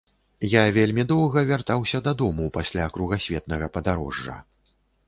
Я вельмі доўга вяртаўся дадому пасля кругасветнага падарожжа.